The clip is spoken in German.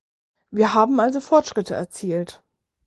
Wir haben also Fortschritte erzielt.